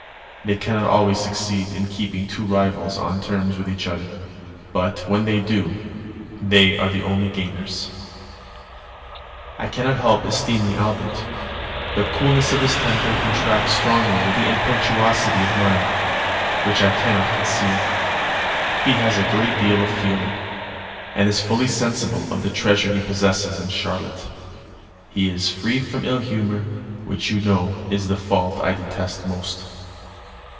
They cannot always succeed in keeping two rivals on terms with each other; but, when they do, they are the only gainers. I cannot help esteeming Albert. The coolness of his temper contrasts strongly with the impetuosity of mine, which I cannot conceal. He has a great deal of feeling, and is fully sensible of the treasure he possesses in Charlotte. He is free from ill humour, which you know is the fault I detest most.